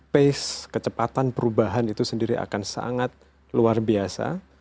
pace kecepatan perubahan itu sendiri akan sangat luar biasa